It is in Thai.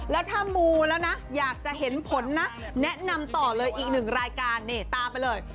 แล้วถ้ามูแล้วนะอยากจะเห็นผลนะแนะนำต่อเลยอีกหนึ่งรายการนี่ตามไปเลย